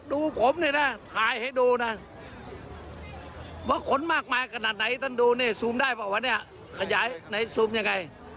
ดูนะว่าคนมากมายขนาดไหนต้านดูนี่ซูมได้ป่ะวะเนี่ยขยายไหนซูมยังไง